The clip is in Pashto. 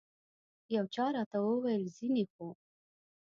یو چا راته وویل ځینې خو.